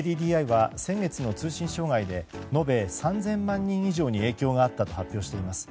ＫＤＤＩは先月の通信障害で延べ３０００万人以上に影響があったと発表しています。